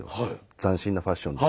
斬新なファッションで。